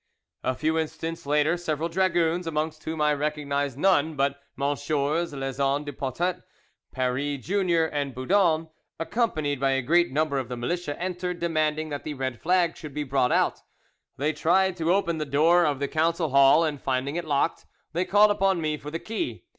"A few instants later several dragoons, amongst whom I recognised none but MM. Lezan du Pontet, Paris junior, and Boudon, accompanied by a great number of the militia, entered, demanding that the red flag should be brought out. They tried to open the door of the council hall, and finding it locked, they called upon me for the key.